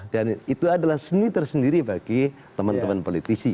dan itu adalah seni tersendiri bagi teman teman politisi